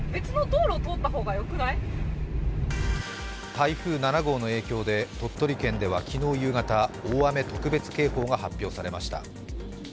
台風７号の影響で鳥取県では昨日夕方、大雨特別警報が発表されました。